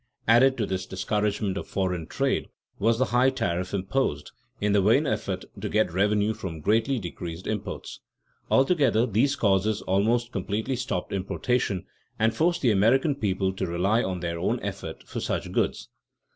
Added to this discouragement of foreign trade was the high tariff imposed, in the vain effort to get revenue from greatly decreased imports. Altogether these causes almost completely stopped importation and forced the American people to rely on their own efforts for such goods.